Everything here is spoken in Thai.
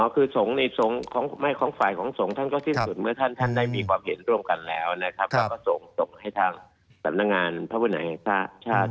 คือของฝ่ายของสงฆ์ท่านก็สิ้นสุดเมื่อท่านได้มีความเห็นร่วมกันแล้วนะครับเราก็ส่งส่งให้ทางสำนักงานพระพุทธาแห่งชาติ